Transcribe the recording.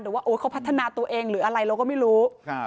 ว่าเขาพัฒนาตัวเองหรืออะไรเราก็ไม่รู้